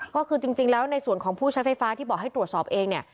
ก็คือจริงแล้วในส่วนของผู้ใช้ไฟฟ้าที่บอกให้ตรวจสอบเองเนี่ย